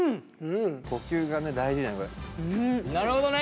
呼吸がね大事なんだね。